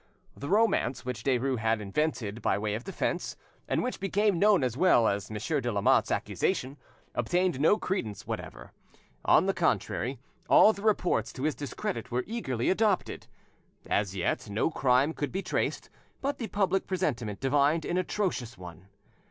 The romance which Derues had invented by way of defence, and which became known as well as Monsieur de Lamotte's accusation, obtained no credence whatever; on the contrary, all the reports to his discredit were eagerly adopted. As yet, no crime could be traced, but the public presentiment divined an atrocious one.